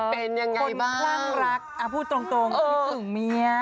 เป็นอย่างไรบ้างคนพรั่งรักพูดตรงมันคิดถึงเมีย